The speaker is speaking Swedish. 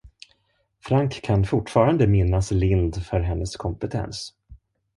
Frank kan fortfarande minnas Lindh för hennes kompetens.